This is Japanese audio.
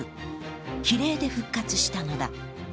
比例で復活したのだ。